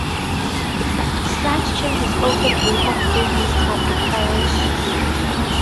Such changes also drew off business from the parish seat.